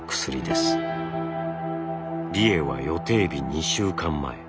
理栄は予定日２週間前。